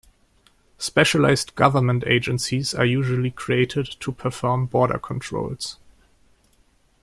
Specialized government agencies are usually created to perform border controls.